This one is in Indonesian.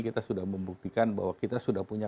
kita sudah membuktikan bahwa kita sudah punya